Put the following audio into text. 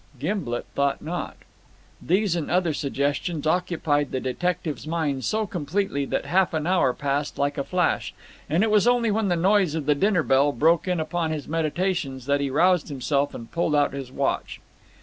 Gimblet thought not. These and other questions occupied the detective's mind so completely that half an hour passed like a flash, and it was only when the noise of the dinner bell broke in upon his meditations that he roused himself and pulled out his watch.